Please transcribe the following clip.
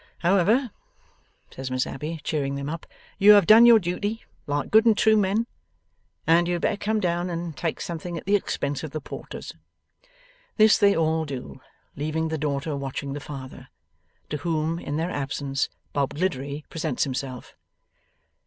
'However,' says Miss Abbey, cheering them up, 'you have done your duty like good and true men, and you had better come down and take something at the expense of the Porters.' This they all do, leaving the daughter watching the father. To whom, in their absence, Bob Gliddery presents himself.